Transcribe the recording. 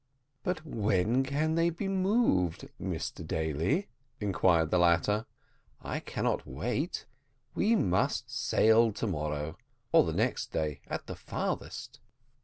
"But when can they be moved, Mr Daly?" inquired the latter; "I cannot wait; we must sail to morrow, or the next day at the farthest."